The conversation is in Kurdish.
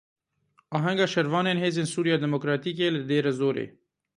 Ahenga şervanên Hêzên Sûriya Demokratîkê li Dêrezorê.